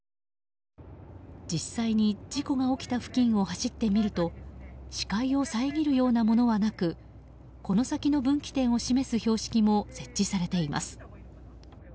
実際に事故が起きた付近を走ってみると視界を遮るようなものはなくこの先の分岐点を示す標識も設置されています。